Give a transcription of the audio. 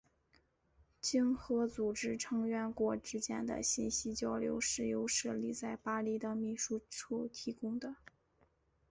经合组织成员国之间的信息交流是由设立在巴黎的秘书处提供的。